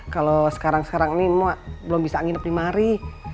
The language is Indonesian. kalau sekarang sekarang ini belum bisa nginep lima hari